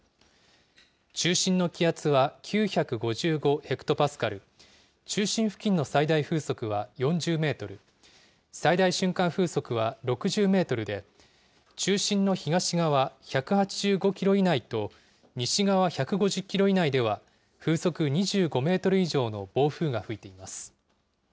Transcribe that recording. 中心の気圧は９５５ヘクトパスカル、中心付近の最大風速は４０メートル、最大瞬間風速は６０メートルで、中心の東側１８５キロ以内と、西側１５０キロ以内では、風速２５メートル以上の暴風が吹いています。